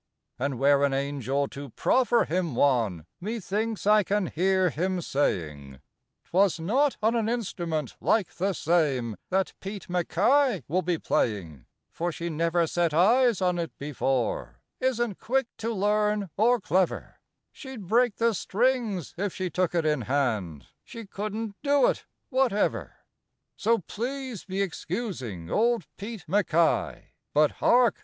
And were an angel to proffer him one, Methinks I can hear him saying: "'Twas not on an instrument like the same That Pete MacKay will be playing, "For she neffer set eyes on it before, Isn't quick to learn, or cleffer; She'd break the strings if she took it in hand, She couldn't do it, whateffer. "So please be excusing old Pete MacKay But hark!